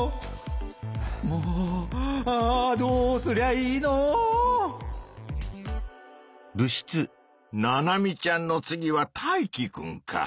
もうあどうすりゃいいの⁉ナナミちゃんの次はタイキくんか。